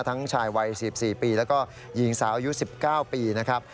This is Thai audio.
ทั้งชายวัย๑๔ปีแล้วก็หญิงสายู๑๙ปีนะครับ